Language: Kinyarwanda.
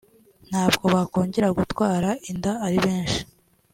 ntabwo bakongera gutwara inda ari benshi